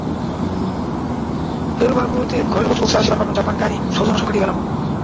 বেরোবার মুহূর্তে ঘরের পোস্টবক্সে আসিরের পাঠানো জাপান কাহিনি সৌজন্য সংখ্যাটি পেলাম।